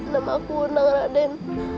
namaku unang raden